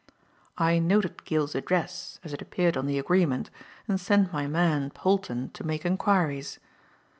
"I noted Gill's address, as it appeared on the agreement, and sent my man, Polton, to make enquiries.